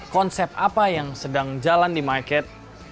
konsep apa yang sedang jalan di market